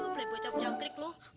belah bawah jabu yang gi